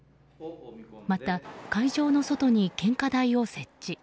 また、会場の外に献花台を設置。